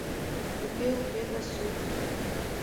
Уке-уке да суд